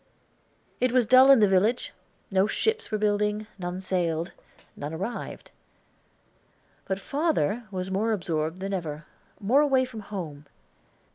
It was dull in the village, no ships were building, none sailed, none arrived. But father was more absorbed than ever, more away from home.